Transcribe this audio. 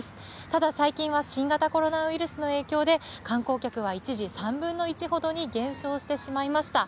ただ、最近は新型コロナウイルスの影響で、観光客は一時、３分の１ほどに減少してしまいました。